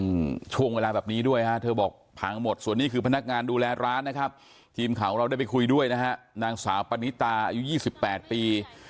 ช่วงเวลาแบบนี้ด้วยฮะเธอบอกพังหมดส่วนนี้คือพนักงานดูแลร้านนะครับทีมข่าวของเราได้ไปคุยด้วยนะฮะนางสาวปณิตาอายุยี่สิบแปดปี